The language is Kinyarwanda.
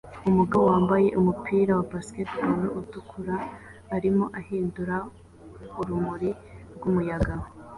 Umugabo wambaye umupira wa baseball atukura arimo ahindura urumuri rwumuyaga